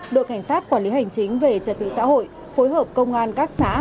đội cảnh sát quản lý hành chính về trật tự xã hội phối hợp công an các xã